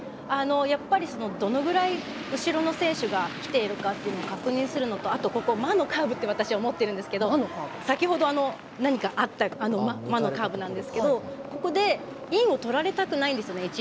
やっぱりどのぐらい後ろの選手が来ているかというのを確認するのと魔のカーブと私は思っているんですけど先ほど何かあった魔のカーブなんですけどここでインを取られたくないんですよね